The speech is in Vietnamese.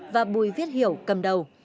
và bùi viết hiểu cầm đầu